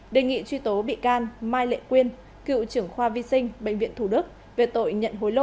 đề nghị truy tố bị can mai lệ quyên cựu trưởng khoa vi sinh bệnh viện thủ đức về tội nhận hối lộ